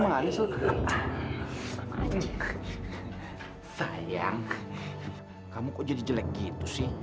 sayang kamu kok jadi jelek gitu sih